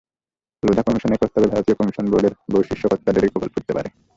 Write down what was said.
লোধা কমিশনের প্রস্তাবে ভারতীয় ক্রিকেট বোর্ডের বহু শীর্ষ কর্তাদেরই কপাল পুড়তে পারে।